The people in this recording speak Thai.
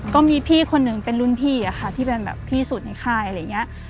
ก็มีพี่คนหนึ่งเป็นรุ่นพี่อะค่ะที่เป็นแบบพี่สุดในค่ายอะไรอย่างนี้